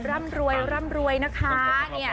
ร่ำรวยนะคะ